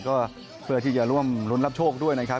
ก็เพื่อที่จะร่วมรุ้นรับโชคด้วยนะครับ